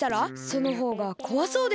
そのほうがこわそうですけど。